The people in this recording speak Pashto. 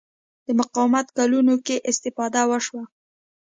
د مقاومت کلونو کې استفاده وشوه